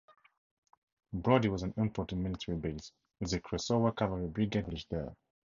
Brody was an important military base, with the Kresowa Cavalry Brigade headquarters established there.